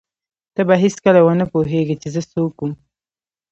ته به هېڅکله ونه پوهېږې چې زه څوک وم.